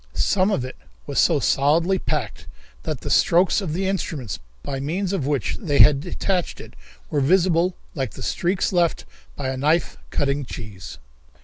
Some of it was so solidly packed that the strokes of the instruments by means of which they had detached it were visible like the streaks left by a knife cutting cheese.